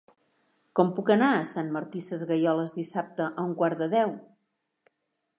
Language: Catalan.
Com puc anar a Sant Martí Sesgueioles dissabte a un quart de deu?